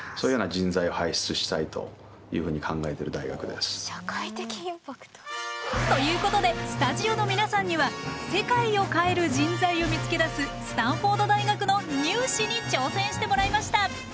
やっぱりそしてまた社会的インパクト？ということでスタジオの皆さんには世界を変える人材を見つけ出すスタンフォード大学のニュー試に挑戦してもらいました！